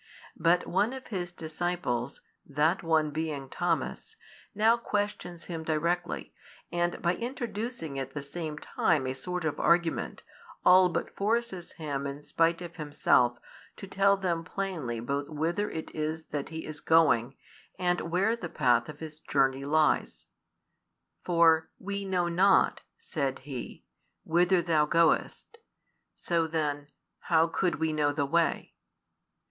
But one of His disciples, that one being Thomas, now questions Him directly, and by introducing at the same time a sort of argument, all but forces Him in spite of Himself to tell them plainly both whither it is that He is going, and where the path of His journey lies. For we know not, said he, whither Thou goest: so then, how could we know the way?